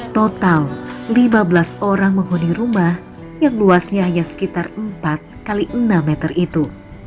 total lima belas orang menghuni rumah yang luasnya hanya sekitar empat x enam meter itu